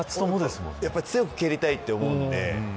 やっぱり強く蹴りたいと思うので。